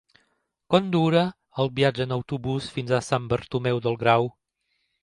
Quant dura el viatge en autobús fins a Sant Bartomeu del Grau?